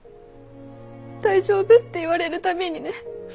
大丈夫って言われる度にね